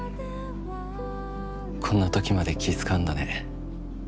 こんなときまで気使うんだね